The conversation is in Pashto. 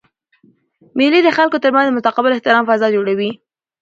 مېلې د خلکو ترمنځ د متقابل احترام فضا جوړوي.